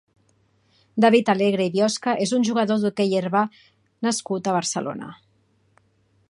David Alegre i Biosca és un jugador d'hoquei sobre herba nascut a Barcelona.